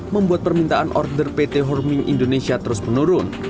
membuat permintaan order pt horming indonesia terus menurun